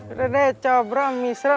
udah deh combro misru